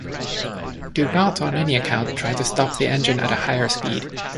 Do not on any account try to stop the engine at a higher speed.